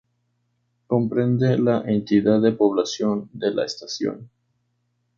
Comprende la entidad de población de La Estación.